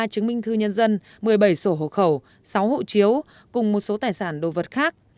ba chứng minh thư nhân dân một mươi bảy sổ hộ khẩu sáu hộ chiếu cùng một số tài sản đồ vật khác